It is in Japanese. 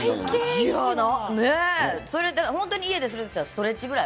本当に家でするのはストレッチぐらい。